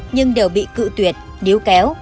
nhưng đều bị cự tuyệt điếu kéo